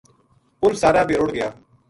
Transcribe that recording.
پُل سارا بے رڑھ گیا